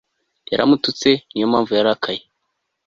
Yaramututse Niyo mpamvu yarakaye